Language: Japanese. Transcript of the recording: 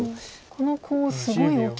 このコウすごい大きい。